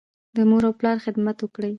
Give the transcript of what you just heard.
د مور او پلار خدمت وکړئ.